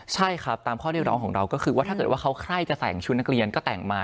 ใช่ครับตามข้อเรียกร้องของเราก็คือว่าถ้าเกิดว่าเขาใครจะใส่ชุดนักเรียนก็แต่งมา